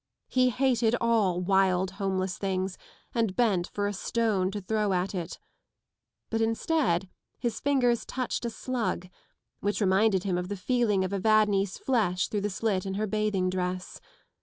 He hated all wild home less things, and bent for a stone to throw at it. But instead his fingers touched a slug, which reminded him of the feeling of Evadne's flesh through the slit in her bathing dress.